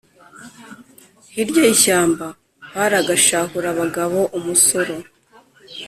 Hirya y'ishyamba hari agashahurabagabo- Umusoro.